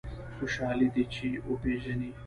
خوشاله دی چې وپېژني.